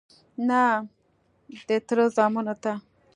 _نه، د تره زامنو ته..